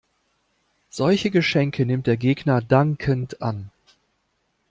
Solche Geschenke nimmt der Gegner dankend an.